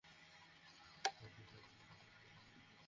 বেশ, আমি যাচ্ছি।